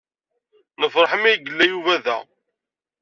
Nefṛeḥ imi ay yella Yuba da.